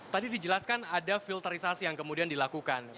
tadi dijelaskan ada filterisasi yang kemudian dilakukan